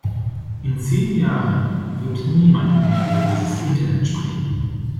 In zehn Jahren wird niemand mehr über dieses Internet sprechen!